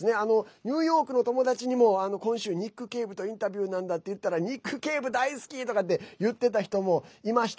ニューヨークの友達にも今週、ニック・ケイブとインタビューなんだって言ったらニック・ケイブ大好き！とかって言ってた人もいました。